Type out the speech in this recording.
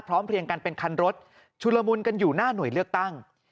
เรียงกันเป็นคันรถชุลมุนกันอยู่หน้าหน่วยเลือกตั้ง